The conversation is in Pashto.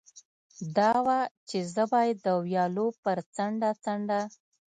دا وه، چې زه باید د ویالو پر څنډه څنډه.